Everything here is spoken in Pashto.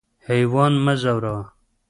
حیوان مه ځوروه.